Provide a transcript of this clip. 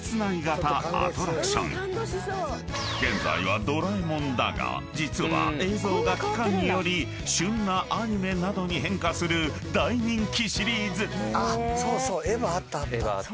［現在は『ドラえもん』だが実は映像が期間により旬なアニメなどに変化する大人気シリーズ］